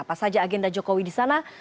apa saja agenda jokowi di sana